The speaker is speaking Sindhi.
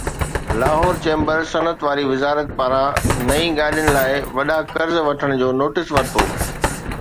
لاهور چيمبر صنعت واري وزارت پاران نئين گاڏين لاءِ وڏا قرض وٺڻ جو نوٽيس ورتو